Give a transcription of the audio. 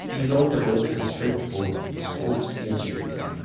He wrote about his trip for "Sports Illustrated".